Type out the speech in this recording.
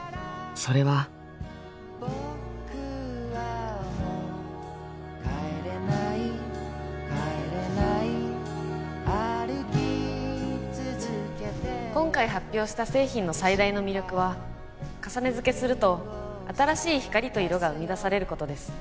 それは今回発表した製品の最大の魅力は重ねづけすると新しい光と色が生み出されることです